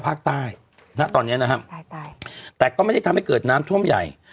ภาคใต้ณตอนเนี้ยนะฮะภาคใต้แต่ก็ไม่ได้ทำให้เกิดน้ำท่วมใหญ่